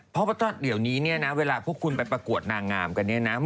เพราะว่าเดี๋ยวนี้เนี่ยนะเวลาพวกคุณไปประกวดนางงามกันเนี่ยนะ